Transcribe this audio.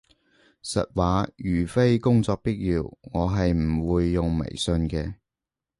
實話，如非工作必要，我係唔會用微信嘅